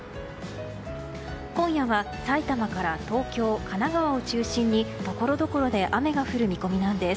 今夜は、埼玉から東京、神奈川を中心にところどころで雨が降る見込みなんです。